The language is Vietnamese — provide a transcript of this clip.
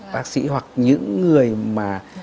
bác sĩ hoặc những người mà